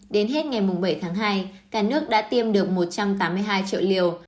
đến hết ngày bảy tháng hai cả nước đã tiêm được một trăm tám mươi hai triệu liều